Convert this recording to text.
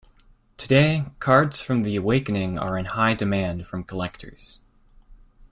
Today, cards from The Awakening are in high demand from collectors.